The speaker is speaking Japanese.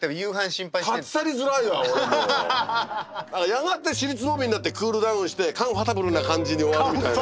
やがて尻すぼみになってクールダウンしてカンファタブルな感じに終わるみたいな。